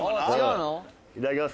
いただきます。